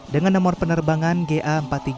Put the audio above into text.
dengan nomor penerbangan ga empat ribu tiga ratus dua puluh